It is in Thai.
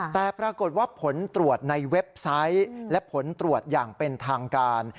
แต่ปรากฏว่าผลตรวจในเว็บไซต์และผลตรวจอย่างเป็นทางการ